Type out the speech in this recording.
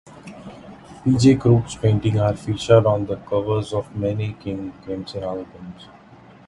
P J Crook's paintings are featured on the covers of many King Crimson albums.